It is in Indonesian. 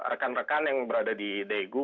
rekan rekan yang berada di daegu